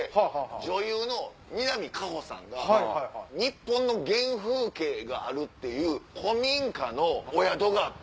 女優の南果歩さんが日本の原風景があるっていう古民家のお宿があって。